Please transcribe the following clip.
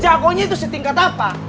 jagonya itu setingkat apa